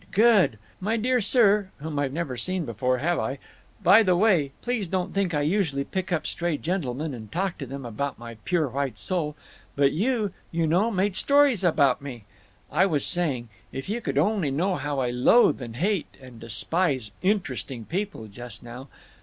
Good! My dear sir—whom I've never seen before—have I? By the way, please don't think I usually pick up stray gentlemen and talk to them about my pure white soul. But you, you know, made stories about me…. I was saying: If you could only know how I loathe and hate and despise Interesting People just now!